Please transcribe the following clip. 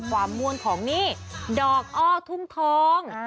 ความม่วงของนี่ดอกอ้อทุ่มทอง